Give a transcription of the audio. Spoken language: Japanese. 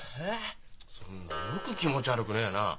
そんなよく気持ち悪くねえなあ。